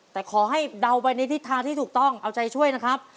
แต่ขอให้เดาไปในทิศทางที่ถูกต้องเอาใจช่วยนะครับ